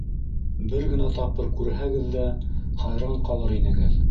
Бер генә тапҡыр күрһәгеҙ ҙә, хайран ҡалыр инегеҙ.